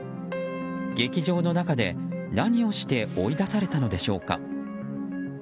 劇場の中で、何をして追い出されたのでしょうか。